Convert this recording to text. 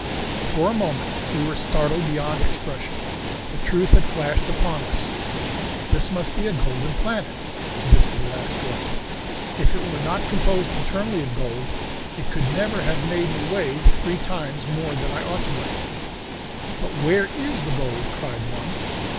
For a moment we were startled beyond expression. The truth had flashed upon us. This must be a golden planet this little asteroid. If it were not composed internally of gold it could never have made me weigh three times more than I ought to weigh. "But where is the gold?" cried one.